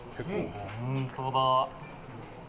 本当だ！